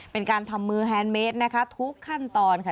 เป็นการทำมือแฮนดเมสนะคะทุกขั้นตอนค่ะ